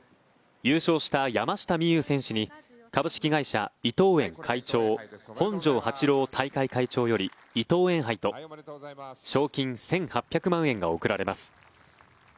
優勝した山下美夢有選手に株式会社伊藤園会長本庄八郎大会会長より伊藤園杯と賞金１８００万円が贈られます。